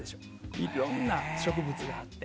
いろんな植物があって。